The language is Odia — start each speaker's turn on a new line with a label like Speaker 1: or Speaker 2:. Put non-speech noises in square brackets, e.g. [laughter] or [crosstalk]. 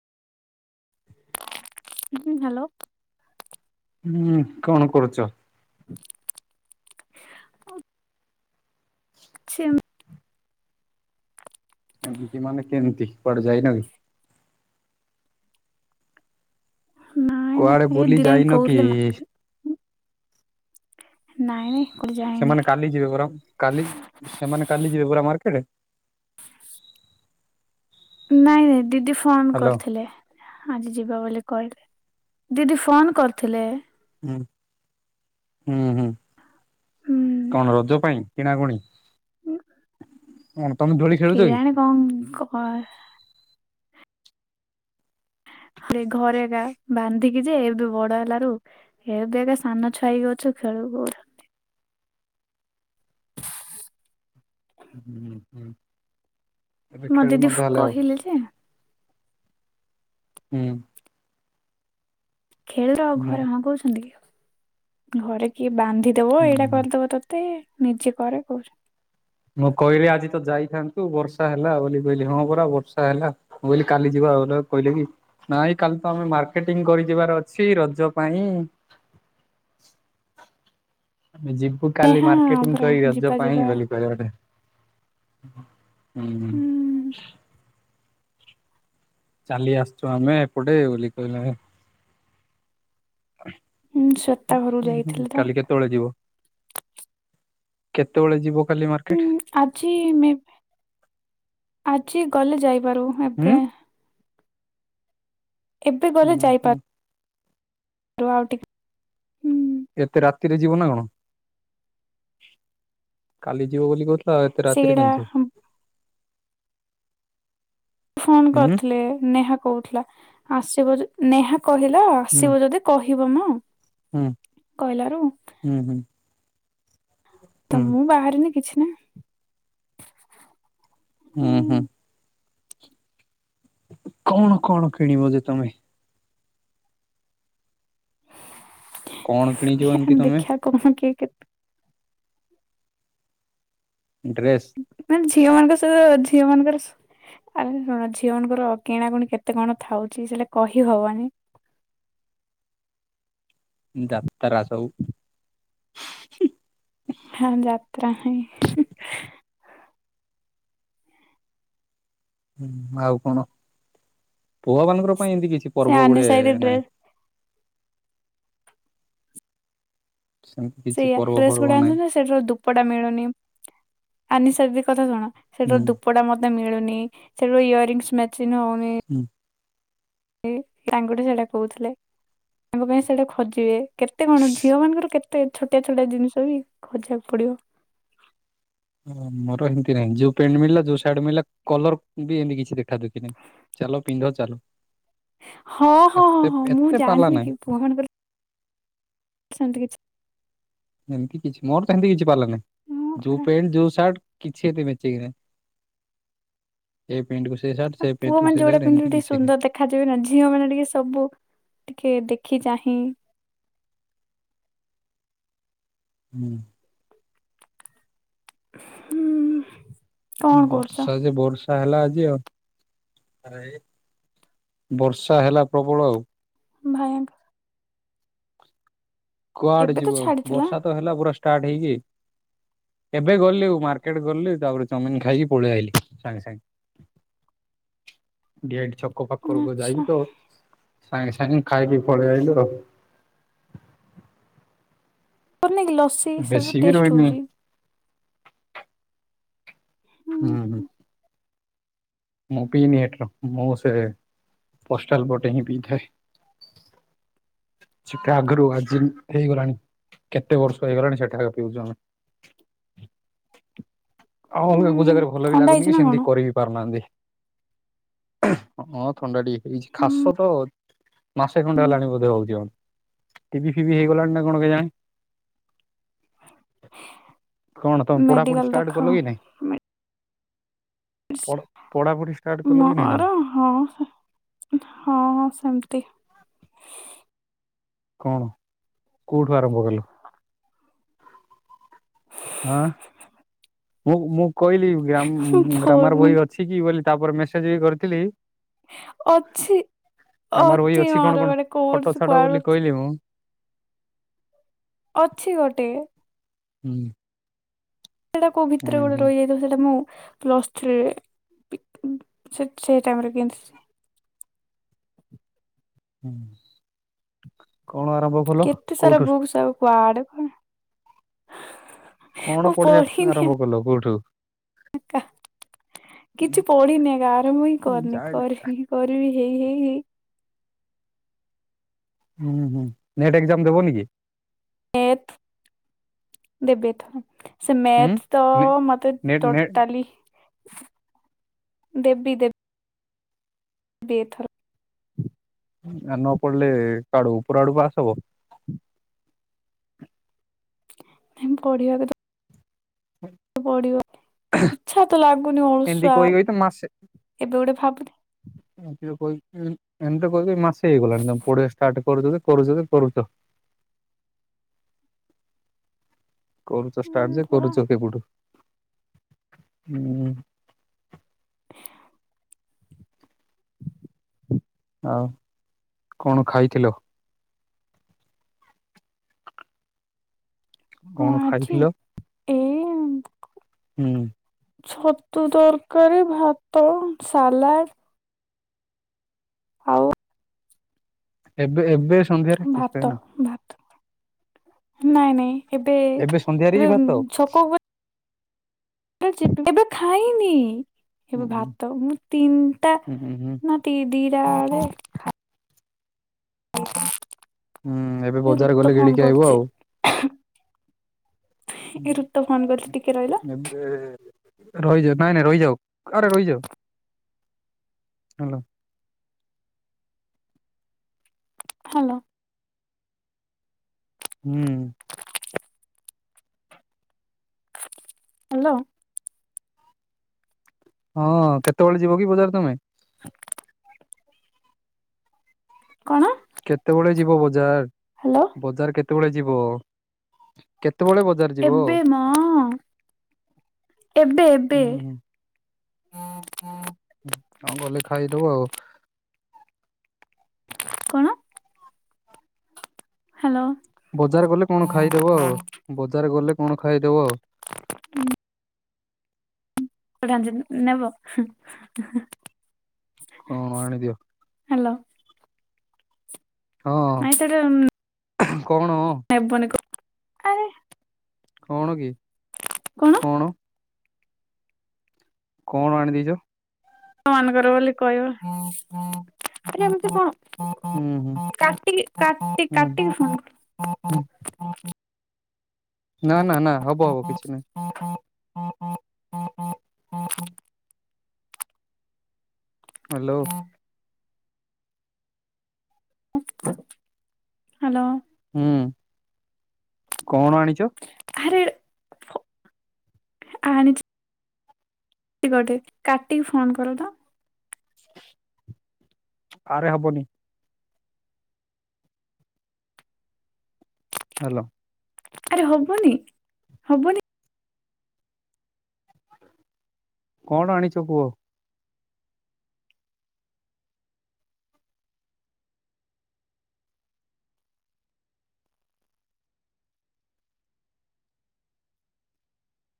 Speaker 1: ହୁଁ ହୁଁ ହ୍ୟାଲୋ
Speaker 2: ହୁଁ କଣ କରୁଛ?
Speaker 1: ହୁଁ ଛେମ୍
Speaker 2: ଏମିତି ମାନେ କେମିତି କୁଆଡେ ଯାଇନ କି
Speaker 1: ନାଇଁ
Speaker 2: କୁଆଡେ
Speaker 1: ନାଇଁ ଏ
Speaker 2: ବୁଲି
Speaker 1: ଦିଦି
Speaker 2: ଯାଇନ କି
Speaker 1: କହୁଥିଲେ ମତେ ନାଇଁ ନାଇ
Speaker 2: ସେମାନେ କାଲି ଯିବେ ପୁର କାଲି ସେମାନେ କାଲି ଯିବେ ପୁର ମାର୍କେଟ
Speaker 1: ନାଇଁ ନାଇଁ ଦିଦି ଫୋନ୍
Speaker 2: ହ୍ୟାଲୋ
Speaker 1: କରିଥିଲେ ଆଜି ଯିବା ବୋଲି କହିଲେ ଦିଦି ଫୋନ କରିଥିଲେ
Speaker 2: ହୁଁ ହୁଁ ହୁଁ
Speaker 1: ହୁଁ
Speaker 2: କଣ ରଜ ପାଇଁ କିଣାକୁଣି କଣ ତମେ ଦୋଳି ଖେଳୁଛ କି
Speaker 1: କଂକର୍ ସେ ଘରେ ଏକା ବାନ୍ଧିକି ଯେ ଏବେ ବଡ ହେଲାରୁ ଏବେ ଏକ ସାନ ଛୁଆ ହେଇ ଅଛ ଖେଳି [unintelligible]
Speaker 2: ହୁଁ ହୁଁ ହୁଁ ଏବେ ଖେଳୁନ ତାହଲେ ଆଉ
Speaker 1: ଥିଲି ଯେ
Speaker 2: ହୁଁ
Speaker 1: ଖେଳିଲ ଆଉ
Speaker 2: ମୁଁ
Speaker 1: ଘରେ ହଁ କହୁଛନ୍ତି କି ଆଉ ଘରେ କିଏ ବାନ୍ଧି ଦେବ ଏଇଟା
Speaker 2: ହୁଁ
Speaker 1: କରିଦବ ତୋତେ ନିଜେ କରେ କହୁଛ
Speaker 2: ମୁଁ କହିଲି ଆଜି ତ ଯାଇଥାନ୍ତୁ ବର୍ଷା ହେଲା ବୋଲି କହିଲି ହଁ ପରା ବର୍ଷା ହେଲା ମୁଁ କହିଲି କାଲି ଯିବା ଆଉ [unintelligible] କହିଲେ କି ନାଇଁ କାଲି ତ ଆମେ ମାର୍କେଟିଂ କରି ଯିବାର ଅଛି ରଜ ପାଇଁ ଆମେ ଯିବୁ କାଲି
Speaker 1: ହଁ
Speaker 2: ମାର୍କେଟିଂ
Speaker 1: ପରା
Speaker 2: କରି ରଜ
Speaker 1: ଯିବା
Speaker 2: ପାଇଁ
Speaker 1: ଯିବା
Speaker 2: ବୋଲି କ [unintelligible] ଗଟେ ହୁଁ ହୁଁ
Speaker 1: ହୁଁ
Speaker 2: ଚାଲି ଆସିୁଛୁ ଆମେ ଏପଟେ ବୋଲି କହିଲେ
Speaker 1: ହୁଁ ଶ୍ଵେତା
Speaker 2: ହୁଁ
Speaker 1: ଘରକୁ
Speaker 2: ହୁଁ
Speaker 1: ଯାଇଥିଲି ତ
Speaker 2: କାଲି କେ ବେଳେ ଯିବ କେତେବେଳେ ଯିବ କାଲି
Speaker 1: ହୁଁ
Speaker 2: ମାର୍କେଟ
Speaker 1: ଆଜି ମେ ବି ଆଜି ଗଲେ ଯାଇପାରୁ
Speaker 2: ହୁଁ
Speaker 1: ଏବେ ଏବେ ଗଲେ
Speaker 2: ହୁଁ ହୁଁ
Speaker 1: ଯାଇପାରୁ ଆଉ ଟିକେ ହୁଁ
Speaker 2: ଏତେ ରାତିରେ ଯିବ ନା କଣ କାଲି ଯିବ ବୋଲି କହୁ ଆ ଏତେ ରାତିରେ
Speaker 1: ସେଇଟା
Speaker 2: କେଣିଚୁ
Speaker 1: ଫୋନ କରିଥିଲେ ନେହା କହୁଥିଲା। ଆସିବ ନେହା କହିଲା
Speaker 2: ହୁଁ
Speaker 1: ଆସିବ ଯଦି କହିବ ମ।
Speaker 2: ହୁଁ
Speaker 1: କହିଲାରୁୁ
Speaker 2: ହୁଁ ହୁଁ।
Speaker 1: ତ
Speaker 2: ହୁଁ।
Speaker 1: ମୁଁ ବାହାରିନି କିଛି ନାହିଁ।
Speaker 2: ଉହୁଁ। କଣ କଣ କିଣିବ ଯେ ତମେ? କଣ କିଣିଛ ଏମିତି
Speaker 1: ଦେଖିଆ
Speaker 2: ତମେ
Speaker 1: ଦେଖିବା କଣ କିଏ
Speaker 2: ଡ୍ରେସ୍
Speaker 1: ମାନ ଝିଅ ମାନଙ୍କ ସହିତ ଝିଅ ମାନଙ୍କର ଆରେ ଝିଅଙ୍କର କିଣାକଣି କେତେ କଣ ଥାଉଛି? ସେଇଟା କହିହବନି।
Speaker 2: ଯାତ୍ରା ସବୁ।
Speaker 1: ହଁ ଯାତ୍ରା ହିଁ।
Speaker 2: ହୁଁ। ଆଉ କଣ? ପୁଅ ମାନଙ୍କର ପାଇଁ ଏମିତି କିଛି
Speaker 1: ସେ
Speaker 2: ପର୍ବ
Speaker 1: ଆନି
Speaker 2: ଗୁଟେ
Speaker 1: ସାଇଡ ଡ୍ରେସ
Speaker 2: ନାହିଁ। ସେମିତି କିଛି
Speaker 1: ସେଇଆ।
Speaker 2: ପର୍ବ
Speaker 1: ଡ୍ରେସ
Speaker 2: ଫର୍ବ
Speaker 1: ଗୁଡା
Speaker 2: ନାହିଁ
Speaker 1: ସେଠାରୁ ଧୂପଟା ମିଳୁନି। ଆନିସା କଥା ଶୁଣ।
Speaker 2: ହୁଁ
Speaker 1: ସେଠାରୁ ଧପ କୁୋଡା ମତେ ମିଳୁନି। ସେଠୁ ଇୟରରିଙ୍ଗସ ମେଚିଙ୍ଗ୍ ହଉନି।
Speaker 2: ହୁଁ।
Speaker 1: ତାଙ୍କଠୁ ସେଇଟା କହୁଥିଲେ। ତାଙ୍କ ପାଇଁ ସେଇଟା ଖୋଜିବେ। କେତେ କଣ? ଝିଅ ମାନଙ୍କର କେତେ ଛୋଟିଆ ଛୋଟିଆ ଜିନିଷ ବି ଖୋଜକୁ ପଡିବ।
Speaker 2: ହ ମୋର ଏମିତି ନାହିଁ। ଯୋଉ ପେଣ୍ଟ ମିଳିଲା, ଯଉ ସାଆଟ ମଳିଲା କଲର ବି ଏମିତି କିଛି ଦେଖା ଦୁ କି ନାହିଁ। ଚାଲ ପିନ୍ଧ ଚାଲ।
Speaker 1: ହଁ ହଁ ହଁ
Speaker 2: ଏତେ
Speaker 1: ହଁ। ମୁଁ
Speaker 2: ଏତେ ପାଲା
Speaker 1: ଜାଣିନି
Speaker 2: ନାହିଁ
Speaker 1: କି, ପୁଅ କଣଙ୍କ ସେମିତି କିଛି
Speaker 2: ଏମିତି କିଛି, ମୋର ତ ଏମିତି କିଛି ପାଲା
Speaker 1: ହଁ
Speaker 2: ନାହିଁ। ଯୋଉ
Speaker 1: ପରା
Speaker 2: ପ୍ୟାଣ୍ଟ ଯୋଉ ସାର୍ଟ କିଛି ଏତେ ମଚେଇକି ନାହିଁ। ଏ ପେଣ୍ଟ କୋ ସେ ସାର୍ଟ, ସେ ପେଣ୍ଟ କୁ ସେ ସାର୍ଟ ଏମିତି କିଛି ନାହିଁ।
Speaker 1: ଦେଖାଯିବେନା। ଝିଅ ମାନେ ଟିକେ ସବୁ ଟିକେ ଦେଖି ଚାହିଁ
Speaker 2: ହୁଁ।
Speaker 1: ହୁଁ। କଣ କରୁଛ
Speaker 2: ବର୍ଷା ଯେ ବର୍ଷା ହେଲା ଆଜି ଆଉ। ବର୍ଷା ହେଲା ପ୍ରବଳ ଆଉ।
Speaker 1: ଭୟଙ୍କ
Speaker 2: କୁଆଆଡେ
Speaker 1: ଏବେ ତ
Speaker 2: ଯିବ।
Speaker 1: ଛାଡିଥିଲା
Speaker 2: ବର୍ଷା ତ ହେଲା ପୁରା ଷ୍ଟାର୍ଟ ହେଇକି। ଏବେ ଗଲି। ମାର୍କେଟ ଗଲି, ତାପରେ ଚମିନ ଖାଇକି ପଳେଇ ଆଇଲି। ସାଙ୍ଗେ ସାଙ୍ଗେ। [unintelligible] ଛକ ପାଖରକୁ ଯାଇକି
Speaker 1: ଆଚ୍ଛା
Speaker 2: ତ, ସାଙ୍ଗେ ସାଙ୍ଗେ ଖାଇକି ପଳେଇ ଆଇଲୁ ଆଉ।
Speaker 1: କରିନି କି ଲସି ସବୁ
Speaker 2: ବେଶୀ ବି
Speaker 1: ଟେଷ୍ଟ
Speaker 2: ରହିନି
Speaker 1: ହେଉଛି।
Speaker 2: ହୁଁ। ମୁଁ ପିଇନି ଏଠ। ମୁଁ ସେ ପଷ୍ଟାଲ ବୋଟେ ହିଁ ପିଇଥାଏ। ଚିଠା ଆଗରୁ ଆଜି ହେଇଗଲାଣି। କେତେ ବର୍ଷ ହେଇଗଲାଣି ସେଠାରୁ ପିଉଛୁ ଆମେ। ଆଉ ଆଲଗାକୁ
Speaker 1: ହୁଁ
Speaker 2: ଜାଗାରେ ଭଲ ବି
Speaker 1: ଥଣ୍ଡା
Speaker 2: ଲାଗୁନି,
Speaker 1: ହେଇଛି
Speaker 2: କି
Speaker 1: ନା କଣ?
Speaker 2: ସେମିତି କରି ବିି ପାରୁନାହାନ୍ତି। ହଁ ଥଣ୍ଡା ଟିକେ ହେଇଛି।
Speaker 1: ହୁଁ
Speaker 2: ଖାସ ତ ମାସେ ଖଣ୍ଡେ ହେଲାଣି ବୋଧେ ହଉଛି। ଟିଭିି ଫିଭିି ହେଇଗଲାଣି ନା କଣ କେ ଜାଣି? କଣ ତମେ ପଢାପଢି
Speaker 1: ମେଡିକାଲ
Speaker 2: ଷ୍ଟାର୍ଟ କଲ
Speaker 1: ଦେଖାଅ।
Speaker 2: କି ନାଇଁ? ପଢ ପଢାପଢି ଷ୍ଟାର୍ଟ କଲ କି ନାଇଁ
Speaker 1: ମୋର
Speaker 2: ତମେ?
Speaker 1: ହଁ ହଁ ସେମିତି
Speaker 2: କଣ କୋଉଠୁ ଆରମ୍ଭ କଲୁ ହାଁ? ମୁଁ ମୁଁ କହିଲି ଗ୍ରାମ୍ ଗ୍ରାମାର
Speaker 1: ପଡୁନି
Speaker 2: ବହି ଅଛି କି ବୋଲି ତାପରେ ମେସେଜ ବି କରିଥିଲି।
Speaker 1: ଅଛି।
Speaker 2: ଗ୍ରାମାର ବହି ଅଛି
Speaker 1: ମୋର
Speaker 2: କଣ କଣ
Speaker 1: ଗୋଟେ କୋର୍ସ
Speaker 2: ଫଟୋ ଛାଡ
Speaker 1: କୁଆଡୁ
Speaker 2: ବୋଲି କହିଲି ମୁଁ।
Speaker 1: ଅଛି ଗୋଟେ।
Speaker 2: ହୁଁ।
Speaker 1: ସେଟା କୋଉ ଭିତରେ
Speaker 2: ହୁଁ
Speaker 1: ଗୋଟେ
Speaker 2: ହୁଁ
Speaker 1: ରହିଯା ଯୋଉ ସେଟା ମୁଁ ପ୍ଲସଥ୍ରୀରେ ବି ସେ ଟାଇମ୍ ରେ କିଣିଥିଲି।
Speaker 2: ହୁଁ। କଣ ଆରମ୍ଭ? କଲ
Speaker 1: କେତେ ସାରା
Speaker 2: କୋଉଠୁ
Speaker 1: ବୁକ୍ ସବୁ କୁଆଡେ କଣ
Speaker 2: କଣ
Speaker 1: ମୁଁ
Speaker 2: ପଢ଼ିବା
Speaker 1: ପଢିନି
Speaker 2: ଆରମ୍ଭ କଲ କୋଉଠୁ?
Speaker 1: ଏକା। କିଛି ପଢିନି ଆକା ଆରମ୍ଭ ହିଁ କରିନି
Speaker 2: ଜାଇନି
Speaker 1: କରିବି କରିବି ହେଇ ହେଇ ହେଇ
Speaker 2: ହୁଁ ହୁଁ ନେଟ୍ ଏକ୍ଜାମ ଦେବନି କି?
Speaker 1: ମେଥ୍ ଦେବି ଏଥର। ସେ
Speaker 2: ହୁଁ
Speaker 1: ମେଥ୍ ତ
Speaker 2: ନେ
Speaker 1: ମତେ
Speaker 2: ନେଟ୍ ନେଟ୍
Speaker 1: ଟୋଟାଲି ଦେବି ଦେବି ଦେବି ଏଥର।
Speaker 2: ଆଉ ନ ପଡିଲେ କୁଆଡୁ ଉପର ଆଡୁ ବା ପାସ୍ ହବ।
Speaker 1: ନାହିଁ ପଢ଼ିବା କୁ ତ
Speaker 2: [unintelligible]
Speaker 1: ପଢ଼ିବାକୁ ଇଚ୍ଛା ତ ଲାଗୁନି
Speaker 2: ଏମିତି
Speaker 1: ଅଳସୁଆ
Speaker 2: କହି
Speaker 1: ଆଉ
Speaker 2: କହି ତ ମାସେ
Speaker 1: ଏବେ ଗୋଟେ ଭାବୁଥିଲି
Speaker 2: [unintelligible] ଏମିତି କହିକି ମାସେ ହେଇଗଲାଣି ତମେ ପଢିବା ଷ୍ଟାର୍ଟ କରୁଛ ଯେ କରୁଛ ଯେ କରୁଛ। କରୁଛ ଷ୍ଟାର୍ଟ
Speaker 1: ଉଁ
Speaker 2: ଯେ
Speaker 1: ଧର
Speaker 2: କରୁଛ କେବେଠୁ ହୁଁ ହୁଁ।
Speaker 1: [inaudible]
Speaker 2: ଆଉ କଣ ଖାଇଥିଲ? କଣ ଖାଇଥିଲ?
Speaker 1: ଏଇ
Speaker 2: ହୁଁ।
Speaker 1: ଛତୁ ତରକାରୀ, ଭାତ, ସାଲାଡ଼ ଆଉ?
Speaker 2: ଏବେ ଏବେ ସନ୍ଧ୍ୟାରେ କିଛି
Speaker 1: ଭାତ
Speaker 2: ଖାଇନ?
Speaker 1: ଭାତ ନାଇଁ ନାଇଁ ଏବେ
Speaker 2: ସନ୍ଧ୍ୟାରେ ବି
Speaker 1: ଏବେ
Speaker 2: ଭାତ?
Speaker 1: ଛକ ଉପ ଯିବି ଏବେ ଖାଇନି
Speaker 2: ହୁଁ
Speaker 1: ଏବେ
Speaker 2: ହୁଁ
Speaker 1: ଭାତ ମୁଁ ତିନିଟା
Speaker 2: ହୁଁ ହୁଁ ହୁଁ
Speaker 1: ନା ଟି ଦିଇଟା ବେଳେ [unintelligible]
Speaker 2: ହୁଁ ଏବେ ବଜାର ଗଲେ ଗିଳିକି ଆଇବ ଆଉ।
Speaker 1: ଏ ରୁତ ଫୋନ୍ କରିଛି ଟିକେ ରହିଲ।
Speaker 2: ଏ ରହିଯାଅ ନାଇଁ ନାଇଁ ରହିଯାଅ ଆରେ ରହିଯାଅ ହାଲୋ।
Speaker 1: ହ୍ୟାଲୋ।
Speaker 2: ହୁଁ।
Speaker 1: ହାଲୋ।
Speaker 2: ହଁ କେତେବେଳେ ଯିବ କି ବଜାର ତମେ?
Speaker 1: କଣ?
Speaker 2: କେତେବେଳେ ଯିବ ବଜାର?
Speaker 1: ହାଲୋ।
Speaker 2: ବଜାର କେତେବେଳେ ଯିବ? କେତେବେଳେ ବ
Speaker 1: ଏବେ ମ, ଏବେ ଏବେ।
Speaker 2: ହୁଁ ହୁଁ ହଁ ଗଲେ ଖାଇଦବ ଆଉ।
Speaker 1: କଣ? ହାଲୋ।
Speaker 2: ବଜାର ଗଲେ କଣ ଖାଇଦବ ଆଉ, ବଜାର ଗଲେ କଣ ଖାଇଦବ।
Speaker 1: ହୁଁ। ନେବ।
Speaker 2: କଣ ଆଣିଦିଅ
Speaker 1: ହ୍ୟାଲୋ
Speaker 2: ହଁ
Speaker 1: ଆଇ ତରେ [unintelligible]
Speaker 2: କଣ?
Speaker 1: ନବୁନି କ ଆରେ
Speaker 2: କଣ କି କଣ? କଣ ଆଣି ଦେଇଛ?
Speaker 1: ମାନଙ୍କର ବୋଲି କହିବ ଆରେ ଏମିତି
Speaker 2: ହୁଁ ହୁଁ
Speaker 1: କଣ କାଟି କାଟି
Speaker 2: ହୁଁ।
Speaker 1: କାଟିିକି
Speaker 2: ହୁଁ
Speaker 1: ଫୋନ
Speaker 2: ନା ନା ନା ହବ ହବ କିଛି ନାହିଁ।
Speaker 1: [unintelligible]
Speaker 2: ହ୍ୟାଲୋ।
Speaker 1: ହ୍ୟାଲୋ।
Speaker 2: ହୁଁ। କଣ ଆଣିଛ?
Speaker 1: ଆରେ କଟେ କାଟିକି ଫୋନ କର ତ
Speaker 2: ଆରେ ହବନି। ହ୍ୟାଲୋ।
Speaker 1: ଆରେ ହବନି ହବନି
Speaker 2: କଣ ଆଣିଛ କୁହ?